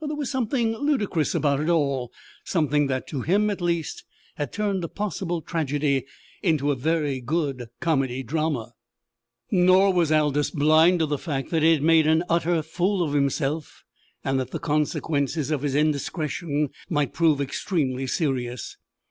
There was something ludicrous about it all something that, to him, at least, had turned a possible tragedy into a very good comedy drama. Nor was Aldous blind to the fact that he had made an utter fool of himself, and that the consequences of his indiscretion might prove extremely serious.